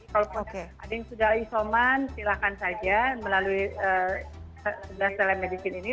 jadi kalau ada yang sudah isoman silakan saja melalui sebelas telesmedicine ini